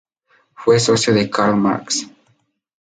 Fue socio de Karl Marx.